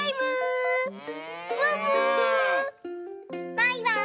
バイバーイ！